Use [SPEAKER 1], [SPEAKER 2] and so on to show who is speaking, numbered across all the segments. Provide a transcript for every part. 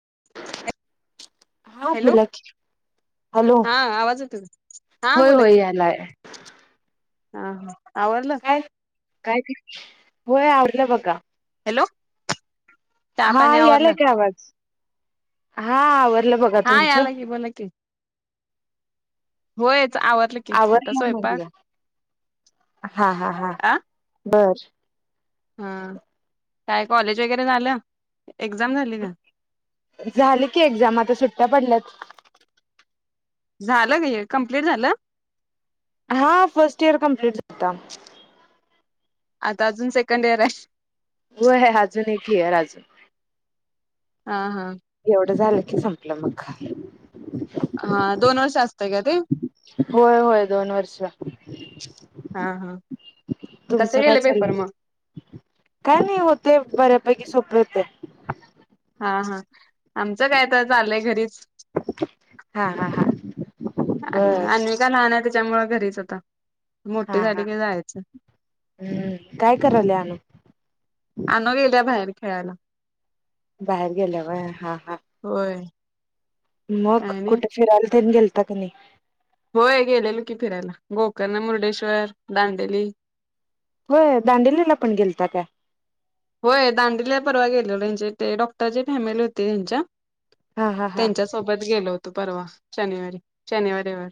[SPEAKER 1] ह
[SPEAKER 2] हा बोला क हॅलो?
[SPEAKER 1] हा आवाज येतो का हा
[SPEAKER 2] होय
[SPEAKER 1] बोला
[SPEAKER 2] होय
[SPEAKER 1] की
[SPEAKER 2] यालाय.
[SPEAKER 1] हा, हा, आवरलं
[SPEAKER 2] काय काय होय आवरलं बघा.
[SPEAKER 1] हॅलो? चहा
[SPEAKER 2] हा
[SPEAKER 1] पाणी आवरलं
[SPEAKER 2] यालाय का आवाज? हा आवाज- लं बघा,
[SPEAKER 1] हा
[SPEAKER 2] तुमचं?
[SPEAKER 1] याला की बोला की होय- आवरलं की, आता
[SPEAKER 2] आवरलं
[SPEAKER 1] स्वयपाक-
[SPEAKER 2] म्हटलं हा हा हा
[SPEAKER 1] अ-
[SPEAKER 2] बर
[SPEAKER 1] हा काय कॉलेज वगैरे झालं? एक्झाम झाली का
[SPEAKER 2] झाले की एक्झाम आता सुट्ट्या पडल्यात.
[SPEAKER 1] झालं काय कमप्लीट झालं?
[SPEAKER 2] हा, फर्स्ट इयर कम्प्लीट झाल -
[SPEAKER 1] आता अजून सेकंड इयर आहे.
[SPEAKER 2] होय ह अजून एक इयर आहे अजून-
[SPEAKER 1] हा, हा,
[SPEAKER 2] एवढं झालं की संपलं मग-
[SPEAKER 1] हा दोन वर्ष असतंय का ते
[SPEAKER 2] होय, होय, दोन वर्ष.
[SPEAKER 1] हा, हा, कसे
[SPEAKER 2] तुमचं काय
[SPEAKER 1] गेले पेपर
[SPEAKER 2] चाललंय
[SPEAKER 1] मग?
[SPEAKER 2] काय नाही होते, बऱ्यापैकी सोपे होते.
[SPEAKER 1] हा, हा आमचं काय तर चाललंय घरीच.
[SPEAKER 2] हा, हा, हा,
[SPEAKER 1] अ्
[SPEAKER 2] बर
[SPEAKER 1] अन् काय लहान आहे त्याच्यामुळं घरीच होता.
[SPEAKER 2] हा, हा, हम्म काय कराल अनु?
[SPEAKER 1] आणू गेल्या बाहेर खेळायला.
[SPEAKER 2] बाहेर गेल्या होय, हा, हा.
[SPEAKER 1] होय
[SPEAKER 2] मग
[SPEAKER 1] काय नाही
[SPEAKER 2] कुठे फिरायला ते गेलता की नाही?
[SPEAKER 1] होय गेलेलो की फिरायला, गोकर्ण, मुर्डेश्वर, दांडेली-
[SPEAKER 2] होय दांडिलीला पण गेलता काय?
[SPEAKER 1] होय दांडिलीला परवा गेलेल त्यांचे ते डॉक्टरचे फॅमिली होते हेंच्या-
[SPEAKER 2] हा हा हा
[SPEAKER 1] त्यांच्या सोबत गेलो होतो, परवा शनिवारी -शनिवार रविवार-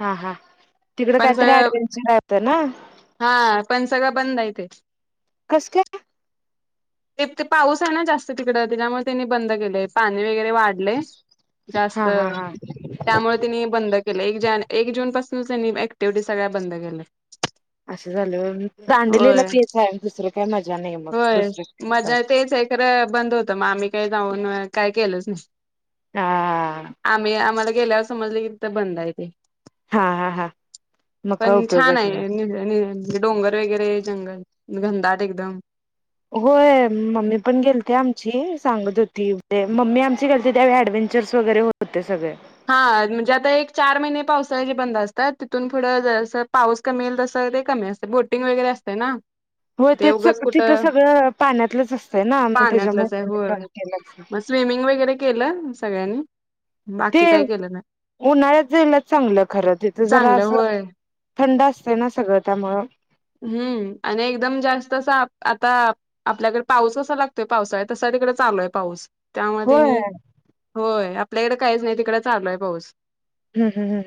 [SPEAKER 2] हा, हा, तिकडं
[SPEAKER 1] पण
[SPEAKER 2] काहीतरी
[SPEAKER 1] सगळं
[SPEAKER 2] ऍडव्हेंचर आहे वाटतं ना?
[SPEAKER 1] हा पण सगळं बंद आहे ते-
[SPEAKER 2] कस काय?
[SPEAKER 1] ते पाऊस आहे ना, जास्त तिकड त्याच्यामुळे त्यांनी बंद केलंय पाणी वगैरे-
[SPEAKER 2] हा हा हा
[SPEAKER 1] त्यामुळे ब के [unintelligible] तनी [unintelligible] क्टिव्हटी सगळ्या बंद केले
[SPEAKER 2] असं झालं होतं, दांडलेला
[SPEAKER 1] होय
[SPEAKER 2] तेच आहे, दुसरं काय मजा नाही मग
[SPEAKER 1] होय,
[SPEAKER 2] दुसरं काय कर
[SPEAKER 1] मजा तेच ए खरं बंद होतं मग आम्ही काही जाऊन काय केलंच नाही.
[SPEAKER 2] हा
[SPEAKER 1] आम्ही आम्हाला गेल्यावर समजलं की तीथ बंद आहे तेे.
[SPEAKER 2] हा हा हा मग काय
[SPEAKER 1] पण छान
[SPEAKER 2] उपयोगच नाही.
[SPEAKER 1] आहे नि- म्हणजे डोंगर वगैरे जंगल घनदााट एकदम-
[SPEAKER 2] होय मम्मी पण गेलते आमची सांगत होती मम्मी आमची गेलते त्यावेळी वगैरे होते सगळे-
[SPEAKER 1] हा म्हणजे आता एक चार महिने पावसाळ्याचेे बंद असतात, तिथून पुढं पाऊस कमी येईल तस- ते कमी असते बोटिंग वगैरे असते ना-
[SPEAKER 2] हो ते
[SPEAKER 1] उगच
[SPEAKER 2] तिथं
[SPEAKER 1] कुठं
[SPEAKER 2] सगळ पाण्यातलंच असतय ना,
[SPEAKER 1] पाण्यातलंच आहे
[SPEAKER 2] त्याच्यामुळे
[SPEAKER 1] होय
[SPEAKER 2] ब केलंच-
[SPEAKER 1] मग स्विमिंग वगैरे केलं सगळ्यांनी-
[SPEAKER 2] ते
[SPEAKER 1] बाकी काही केलं नाही.
[SPEAKER 2] उन्हाळ्यात जायला चांगलं खरं तिथं जरा
[SPEAKER 1] चांगलं
[SPEAKER 2] असं-
[SPEAKER 1] होय
[SPEAKER 2] थंड असते ना, सगळं त्यामुळं-
[SPEAKER 1] हम्म आणि एकदम जास्त अस आता आपल्याकडे पाऊस क लागतोय पावसाळ्यात तस- तिकडे चालोय पाऊस
[SPEAKER 2] होय.
[SPEAKER 1] त्यामुळे होय आपल्याकडे काहीच नाही तिकडे चालोय पाऊस.
[SPEAKER 2] हम्म हम्म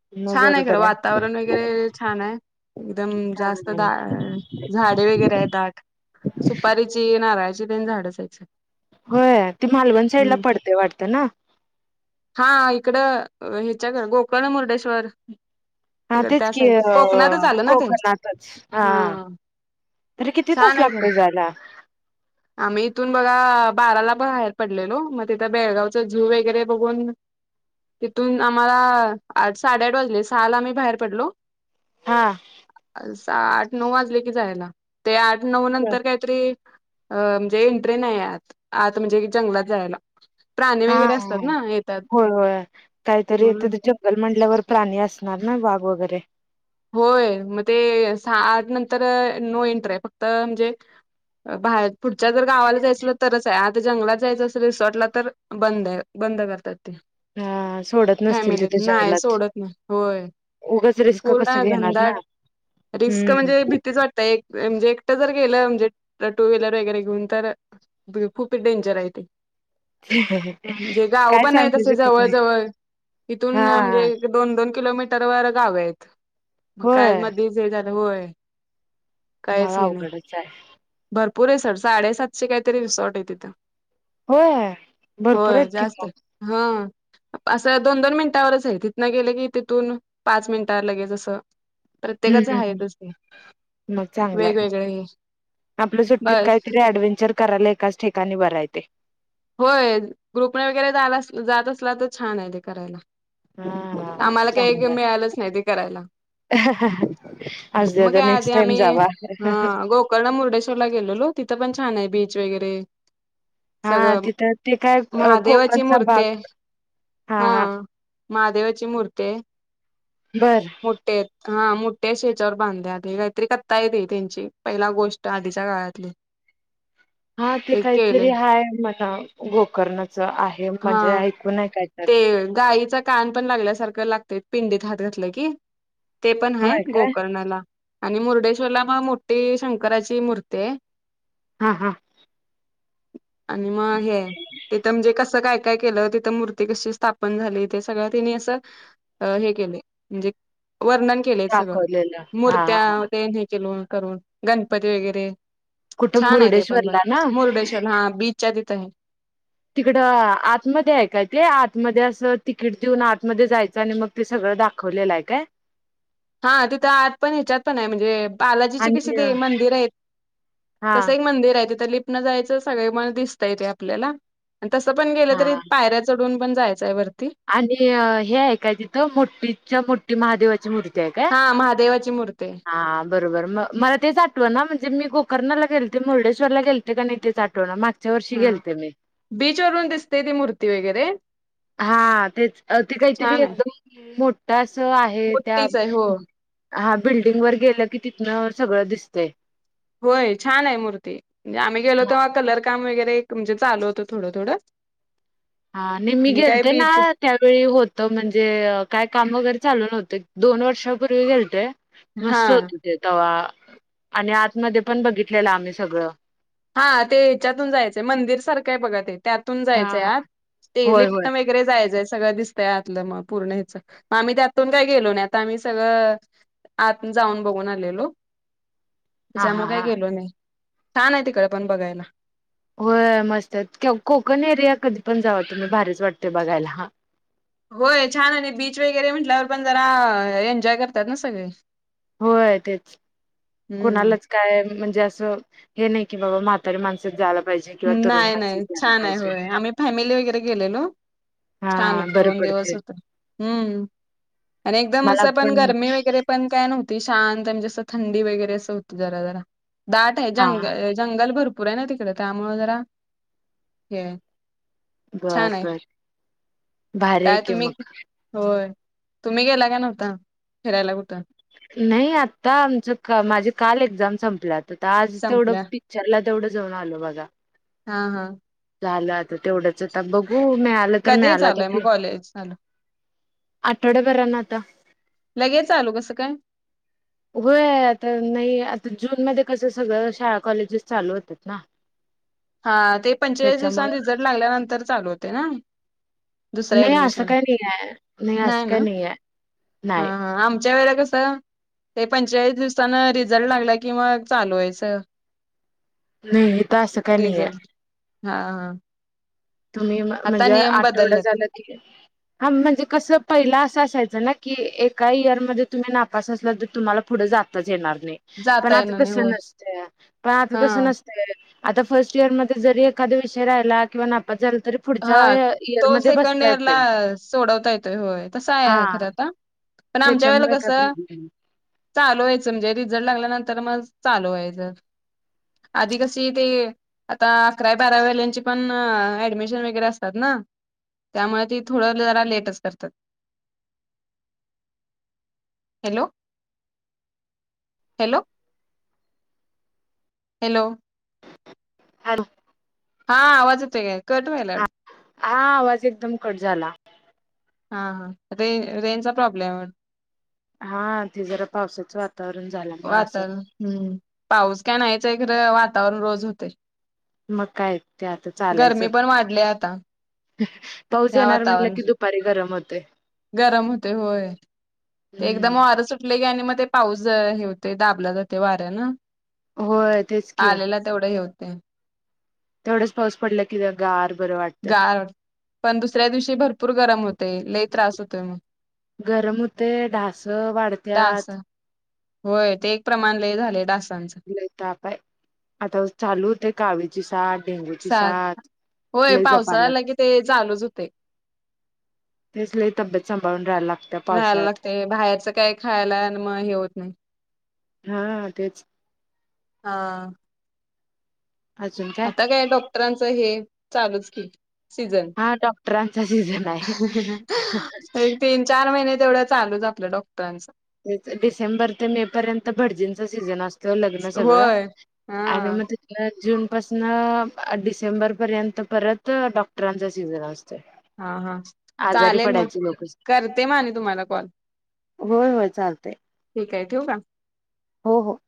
[SPEAKER 2] हम् मग
[SPEAKER 1] छान आहे खरं
[SPEAKER 2] बरोबर
[SPEAKER 1] वातावरण वगैरे छान आहे एकदम
[SPEAKER 2] हा
[SPEAKER 1] जास्त दा झाडे वगैरे आहेत दाट सुपारीची नाराळज देन झाड असायचे.
[SPEAKER 2] होय ती मालवण साईड ला पडतेय वाटत ना.
[SPEAKER 1] इकड ह्याच्या गोकर्ण मुर्डेश्वर
[SPEAKER 2] हा
[SPEAKER 1] तिकड
[SPEAKER 2] तेच
[SPEAKER 1] त्या
[SPEAKER 2] की
[SPEAKER 1] साईडला
[SPEAKER 2] अ
[SPEAKER 1] कोकणातच आलं ना ते
[SPEAKER 2] कोकणातच हा तरी किती
[SPEAKER 1] छान
[SPEAKER 2] तास
[SPEAKER 1] आहे खरं.
[SPEAKER 2] लागतो जायला
[SPEAKER 1] आम्ही इथून बघा बाराला पण बाहेर पडलेलो मग तिथं बेळगावच झू वगैरे बघून तिथून आम्हाला साडेआठ वाजले सहाल आम्ही बाहेर पडलो
[SPEAKER 2] हा.
[SPEAKER 1] आठ नऊ वाजले की जायला ते आठ नऊ नंतर
[SPEAKER 2] हा
[SPEAKER 1] काहीतरी अ म्हणजे एंट्री नाही आ आता म्हणजे जंगलात जायला. प्राणी वगैरे असतात ना येतात
[SPEAKER 2] हो काहीतरी
[SPEAKER 1] म्हणून
[SPEAKER 2] तिथे जंगल म्हटल्यावर प्राणी असणार ना वाघ वगैरे
[SPEAKER 1] होय मग ते सहा आठ नंतर नो एंटर आहे फक्त म्हणजे बाहेर पुढच्या जर गावाला जायचलं तरच आहे आता जंगलात जायचं अस रिसॉर्टला तर बंद आहे बंद करतात.
[SPEAKER 2] हा सोडत नसतील
[SPEAKER 1] फॅमिलीत
[SPEAKER 2] तिथे
[SPEAKER 1] नाही
[SPEAKER 2] जंगलात
[SPEAKER 1] सोडत नाही होय.
[SPEAKER 2] उगच रिस्क कसं
[SPEAKER 1] पूर्ण
[SPEAKER 2] घेणार
[SPEAKER 1] घनदााट
[SPEAKER 2] ना
[SPEAKER 1] रिस्क
[SPEAKER 2] हम्म
[SPEAKER 1] म्हणजे भीतीच वाटतय एक म्हणजे एकटं जर गेलं म्हणजे तर टू व्हीलर वगैरे घेऊन तर खूप डेंजर आहे ते म्हणजे गाव
[SPEAKER 2] काय
[SPEAKER 1] पण नाही
[SPEAKER 2] सांगू
[SPEAKER 1] तस
[SPEAKER 2] शकत
[SPEAKER 1] जवळ
[SPEAKER 2] नाही
[SPEAKER 1] जवळ इथून
[SPEAKER 2] हा
[SPEAKER 1] म्हणजे दोन दोन किलोमीटर व गाव आहेत. मग काय
[SPEAKER 2] होय
[SPEAKER 1] म दिस हे झालं होय.
[SPEAKER 2] मला अवघडच आहे.
[SPEAKER 1] पुरेसर साडेसातशे काहीतरी रिसॉर्ट आहे तिथं
[SPEAKER 2] होय
[SPEAKER 1] हो
[SPEAKER 2] भरपूर आहेत की
[SPEAKER 1] जास्त
[SPEAKER 2] मग
[SPEAKER 1] हा. असं दोन दोन मिनिटांवरच आहे तिथनं गेलं की तिथून पाच मिनिटावर लगेच असं
[SPEAKER 2] हम्म
[SPEAKER 1] प्रत्येकाच
[SPEAKER 2] हम्म हम्म
[SPEAKER 1] आहेस
[SPEAKER 2] मग चांगलंय
[SPEAKER 1] वेगवेगळे हे
[SPEAKER 2] आपल्या सुट्टीत
[SPEAKER 1] बस
[SPEAKER 2] काहीतरी ऍडव्हेंचर करायला एकाच ठिकाणी बरं आहे ते.
[SPEAKER 1] होय ग्रुपने वगैरेला जात असला तर छान आहे ते करायला
[SPEAKER 2] हा
[SPEAKER 1] आम्हाला काही
[SPEAKER 2] चांगलंय
[SPEAKER 1] मिळालंच नाही ते करायला.
[SPEAKER 2] असू दे
[SPEAKER 1] मग
[SPEAKER 2] आता
[SPEAKER 1] या आधी
[SPEAKER 2] नेक्स्ट टाइम
[SPEAKER 1] आम्ही
[SPEAKER 2] जावा
[SPEAKER 1] अ गोकर्ण मुर्डेश्वरला गेलेलो तिथं पण छान आहे बीच वगैरे
[SPEAKER 2] हा
[SPEAKER 1] सगळं
[SPEAKER 2] तिथं ते काय अ,
[SPEAKER 1] महादेवाची
[SPEAKER 2] कोकणचा
[SPEAKER 1] मूर्ती
[SPEAKER 2] भाग
[SPEAKER 1] आहे हा. महादेवाची मूर्ती हाय
[SPEAKER 2] बर
[SPEAKER 1] मोठेेत हा मोठ्या शेच्यावर बांध्या आ काहीतरी कत्ता येते त्यांची पहिला गोष्ट आधीच्या काळातली
[SPEAKER 2] हा ते काहीतरी हाय म गोकर्णाचं आहे म्हणजे
[SPEAKER 1] हा
[SPEAKER 2] ऐकूनय हाय काय तर
[SPEAKER 1] ते गाईचा कान पण लागल्यासारखं लागत पिंडीत हात घातला की ते पण ह
[SPEAKER 2] होय काय
[SPEAKER 1] गोकर्णाला आणि मुर्डेश्वरला म मोठी शं शकराची मूर्ती हाय.
[SPEAKER 2] हा हा.
[SPEAKER 1] आणि मग हे तिथं म्हणजे कस काय काय केलं तिथं मूर्ती ती कशी स्थापन झाली ते सगळं त्यांनी असं हे केले म्हणजे वर्णन केले सगळं
[SPEAKER 2] दाखवलेलं हा
[SPEAKER 1] मूर्त्या
[SPEAKER 2] हा
[SPEAKER 1] ते हे केल करून गणपती वगैरे
[SPEAKER 2] कुठं
[SPEAKER 1] छान आहे ते पण बघ
[SPEAKER 2] मुर्डेश्वरला ना
[SPEAKER 1] मुरडेश्वर हा बीच हाय तिथं.
[SPEAKER 2] तिकडं आतमध्ये आहे काय ते आतमध्ये असं तिकीट देऊन आतमध्ये जायचं आणि मग ते सगळं दाखवलेला आहे काय.
[SPEAKER 1] हा तिथं आत पण ह्याच्यात पण आहे म्हणजे बालाजीचे कसे
[SPEAKER 2] आणि
[SPEAKER 1] ते मंदिर आहेत
[SPEAKER 2] हा
[SPEAKER 1] तसं ही मंदिर आहे तिथ लिप जायच सगळे म दिसतय ते आपल्याला तस पण गेलं तरी
[SPEAKER 2] हा
[SPEAKER 1] पायऱ्या चढून पण जायचं
[SPEAKER 2] आणि हे ऐकाय तिथं मोठीच्या मोठी महादेवाची मूर्ती काय
[SPEAKER 1] हा महादेवाची मूर्ती आहे.
[SPEAKER 2] हा बरोबर म मला तेच आठवना म्हणजे गुफ कर्णाला गेलते मुर्डेश्वरला गेलते का नाय तेेच आठवना माग
[SPEAKER 1] हा बीचवरून दिसतय ती मूर्ती वगैरे
[SPEAKER 2] हा हा तेच ते काहीतरी
[SPEAKER 1] छान आहे
[SPEAKER 2] एकदम मोठा अस च आहे त्या
[SPEAKER 1] मोठीच आहे हो
[SPEAKER 2] हा बिल्डिंग वर गेलं की तिथनं सगळं दिसतय
[SPEAKER 1] होय छान आहे मूर्ती म्हणजे आम्ही गेलो तेव्हा कलर काम वगैरे म्हणजे चालू होत थोडं थोडं
[SPEAKER 2] हा ने मी
[SPEAKER 1] काय
[SPEAKER 2] गेलते ना
[SPEAKER 1] बीच
[SPEAKER 2] त्यावेळी होत म्हणजे काय काम वगैरे चालु न्हव ते दोन वर्षापूर्वी गेलते
[SPEAKER 1] हा
[SPEAKER 2] मस्त होते ते तवा आणि आतमध्ये पण बघितलेलं आम्ही सगळं
[SPEAKER 1] हा ते हच्यातून जायचं मंदिर सारखं आहे बघा ते त्यातून
[SPEAKER 2] हा.
[SPEAKER 1] जायचंय आत ते
[SPEAKER 2] होय
[SPEAKER 1] लिफ्ट
[SPEAKER 2] होय
[SPEAKER 1] वगैरे जायचंय सगळं दिस आतलं मग पूर्णे ह्याचं मग आम्ही त्यातून काय गेलो ना आता आम्ही सगळं आत जाऊन बघून आलेलो
[SPEAKER 2] हा हा
[SPEAKER 1] त्याच्यामुळे काही
[SPEAKER 2] हा
[SPEAKER 1] गेलो नाही छान आहे तिकड पण बघायला
[SPEAKER 2] व्हय मस्त आहेत कोकण एरिया कधी पण जावा तुम्ही भारीच वाटतेय बघायला हा
[SPEAKER 1] होय छान आणि बीच वगैरे म्हटल्यावर पण जरा एन्जॉय करतात ना सगळे
[SPEAKER 2] होय तेच
[SPEAKER 1] हम्म.
[SPEAKER 2] कोणालाच काय म्हणजे अस हे नाही की बाबा म्हातारी माणसंच जायला पाहिजे किंवा तरुण
[SPEAKER 1] नाही
[SPEAKER 2] माणसात
[SPEAKER 1] नाही
[SPEAKER 2] जायला
[SPEAKER 1] छान आहे
[SPEAKER 2] पाहिजे.
[SPEAKER 1] होय आम्ही फॅमिली वगैरे गेलेलो छान
[SPEAKER 2] हा
[SPEAKER 1] होत
[SPEAKER 2] बरं
[SPEAKER 1] दोन दिवस
[SPEAKER 2] पडते
[SPEAKER 1] होत हम्म आणि एकदम असं पण गरमी वगैरे पण काय नव्हत ती शांत म्हणजे असं थंडी वगैरे असं होत जरा जरा दाट आहे
[SPEAKER 2] हा
[SPEAKER 1] जंग अं जंगल भरपूर पुरे ना तिकडे त्यामुळे जरा हे छान
[SPEAKER 2] बर
[SPEAKER 1] आहे.
[SPEAKER 2] बर भारी आहे
[SPEAKER 1] काय
[SPEAKER 2] की मग
[SPEAKER 1] तुम्ही होय तुम्ही गेला का नव्हता फिरायला कुठं
[SPEAKER 2] नाही आता आमच क माझे काल एक्झाम संपल्यात तिथं आज तेवढं
[SPEAKER 1] संपल्या
[SPEAKER 2] पिक्चरला तेवढं जाऊन आलो बघा
[SPEAKER 1] हा हा
[SPEAKER 2] झालं आता तेवढंच आता बघू मिळालं तर
[SPEAKER 1] कधी
[SPEAKER 2] मिळाला आता
[SPEAKER 1] चालू आहे मग
[SPEAKER 2] ते
[SPEAKER 1] कॉलेज चालू
[SPEAKER 2] आठवड्याभराना आता
[SPEAKER 1] लगेच चालू कसं काय
[SPEAKER 2] होय आता नाही आता जूनमध्ये कसं सगळं शाळा कॉलेजेस चालू होतात ना
[SPEAKER 1] हा ते पंचेचाळीस दिवसां
[SPEAKER 2] त्याच्यामुळे
[SPEAKER 1] रिझल्ट लागल्यानंतर चालू होते ना दुसरं
[SPEAKER 2] नाही असं
[SPEAKER 1] ॲडॅप्टर
[SPEAKER 2] काय नाही आहे असं
[SPEAKER 1] नाही ना
[SPEAKER 2] काय आहे
[SPEAKER 1] हा
[SPEAKER 2] नाही.
[SPEAKER 1] हा आमच्यावेळेला कस ते पंचाळीस दिवसानं रिझल्ट लागला की मग चालवायचं
[SPEAKER 2] नाही ईथं असं का नाही आहे
[SPEAKER 1] हा हा
[SPEAKER 2] तुम्ही
[SPEAKER 1] आता
[SPEAKER 2] म्हणजे
[SPEAKER 1] नियम
[SPEAKER 2] आठवड
[SPEAKER 1] बदललेत.
[SPEAKER 2] झालं की हा म्हणजे कस पहिला असं असायचं ना कि एका इयरमध्ये तुम्ही नापास असला तर तुम्हाला पुढे जाताच येणार पण
[SPEAKER 1] जाता येणार
[SPEAKER 2] आता
[SPEAKER 1] नाही
[SPEAKER 2] तसं
[SPEAKER 1] होय.
[SPEAKER 2] नसतय पण आता तसं
[SPEAKER 1] हा.
[SPEAKER 2] नसतय आता फर्स्ट इयर मध्ये जरी एखादा विषय राहिला किंवा नापास तरी पुढच्या
[SPEAKER 1] हा
[SPEAKER 2] इयर
[SPEAKER 1] तो
[SPEAKER 2] मध्ये
[SPEAKER 1] सेकंड
[SPEAKER 2] बसता
[SPEAKER 1] इयर ला
[SPEAKER 2] येतंय
[SPEAKER 1] सोडवता येतोय होय तसं आहे
[SPEAKER 2] हा
[SPEAKER 1] खरं आता पण आमच्या वेळे
[SPEAKER 2] त्याच्यामुळे काय
[SPEAKER 1] कसं
[SPEAKER 2] प्रॉब्लेम नाही
[SPEAKER 1] चालू वयचं म्हणजे रिझल्ट ला लागल्यानंतर मग चालू व्हायचं आधी कशी ती आता अकरावी बारावी वाल्यांची पण ॲडमीशन वैगरे आसत्यात त्यामुळे ते थोडं जरा लेटच करतात हॅलो हॅलो हॅलो
[SPEAKER 2] हा
[SPEAKER 1] हा आवाज येत आहे का? कट होयला -
[SPEAKER 2] हा आवाज एकदम कट झाला.
[SPEAKER 1] हा, हा, रे रेंजचा प्रॉब्लेम-
[SPEAKER 2] हा ते जरा पावसाचं वातावरण झाल्यामुळे असं
[SPEAKER 1] वातल हम्म पाऊस काय नाहीयचय का [unintelligible] वातावरण रोज होतय.
[SPEAKER 2] मग काय ते आता चालायचं.
[SPEAKER 1] पण वाढली आता
[SPEAKER 2] पाऊस
[SPEAKER 1] ह्या
[SPEAKER 2] येणार म्हटलं, की
[SPEAKER 1] वातावरणात
[SPEAKER 2] दुपारी गरम होत.
[SPEAKER 1] गरम होतय, होय ते एकदम
[SPEAKER 2] हम्म
[SPEAKER 1] वारं सुटले गे आणि मग ते- पाऊस हे होते, दाबला जाते वाऱ्या ना,
[SPEAKER 2] होय तेच की
[SPEAKER 1] आलेला तेवढं हेव- ते [unintelligible]
[SPEAKER 2] तेवढंच पाऊस पडला की गार बरं वाटतय.
[SPEAKER 1] गार पण दुसऱ्या दिवशी भरपूर गरम होतय, लई त्रास होतय मग-
[SPEAKER 2] गरम होतय, ढास
[SPEAKER 1] डास
[SPEAKER 2] वाढत्यात-
[SPEAKER 1] होय, ते एक प्रमाण ल झालय ढास
[SPEAKER 2] य कापाय [unintelligible] आता चालू होते कावीची साठ
[SPEAKER 1] साथ होय, ते
[SPEAKER 2] जपायला
[SPEAKER 1] पावसाळा आला की,
[SPEAKER 2] लागतंय.
[SPEAKER 1] ते चालच होते-
[SPEAKER 2] तेच लय तब्येत सांभाळून राहायला लागत्या
[SPEAKER 1] राहायला
[SPEAKER 2] पावसात.
[SPEAKER 1] लागतय, बाहेरच काय खायला मग हे होत नाही.
[SPEAKER 2] हा तेच-
[SPEAKER 1] हा. आता काय डॉक्टरांचं हे चालूच की, सीजन
[SPEAKER 2] हा डॉक्टरांचा सीझन आहे.
[SPEAKER 1] एक तीन चार महिने- तेवढ्या चालूच कसतय डॉ-
[SPEAKER 2] डिसेंबर ते मे पर्यंत भटजींचा सीझन असतो, लग्न सगळं
[SPEAKER 1] होय हा
[SPEAKER 2] आणि म [unintelligible] तला जून पासन डिसेंबर पर्यंत परत डॉक्टरांचा सीझन असतो.
[SPEAKER 1] हा, हा चालेल मग
[SPEAKER 2] लोकच.
[SPEAKER 1] करते मा म तुम्हाला कॉल.
[SPEAKER 2] होय, होय, चालतय.
[SPEAKER 1] काते हो का [unintelligible]
[SPEAKER 2] हो, हो,